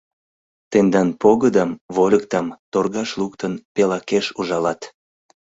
Тендан погыдам, вольыкдам торгаш луктын, пел акеш ужалат.